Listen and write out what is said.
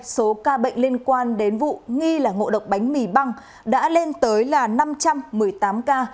số ca bệnh liên quan đến vụ nghi là ngộ độc bánh mì băng đã lên tới là năm trăm một mươi tám ca